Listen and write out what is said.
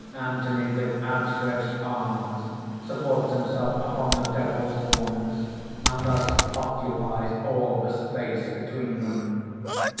Anthony, with outstretched arms, supports himself upon the Devil's horns, and thus occupies all the space between them.